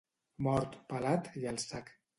Mort, pelat i al sac.